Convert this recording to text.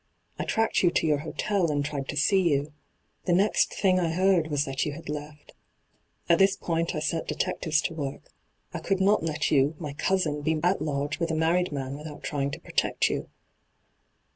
I tracked you to your hotel, and tried to see you. The next thing I heard was that you had left. At this point I set detectives 16 I ,l,.,^hyGOO>^IC 242 ENTRAPPED to work ; I could not let you, my cousin, be at large witii a married man without trying to protect you.